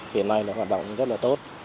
hiện nay hoạt động rất là tốt